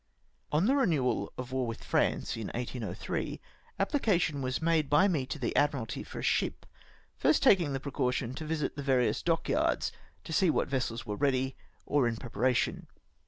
On the renewal of war with France in 1803, apphcation was made by me to the Admirahy for a ship, first taldng the precaution to visit the various dockyards to see what vessels were ready, or m preparation.